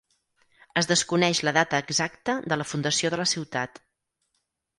Es desconeix la data exacta de la Fundació de la ciutat.